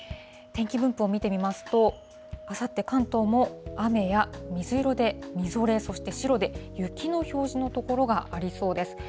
天気分布を見てみますと、あさって、関東も雨や、水色でみぞれ、そして白で雪の表示の所がありそうです。